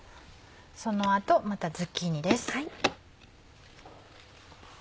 その後またズッキーニです。